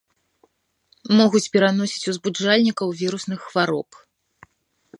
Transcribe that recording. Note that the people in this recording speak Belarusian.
Могуць пераносіць узбуджальнікаў вірусных хвароб.